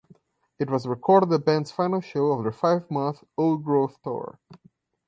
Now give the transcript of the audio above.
It was recorded at the band's final show of their five-month "Old Growth" tour.